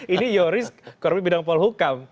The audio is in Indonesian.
ini yoris korbit bidang pol hukum